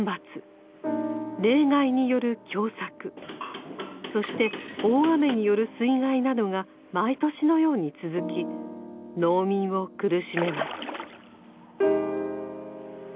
冷害による凶作そして大雨による水害などが毎年のように続き農民を苦しめます。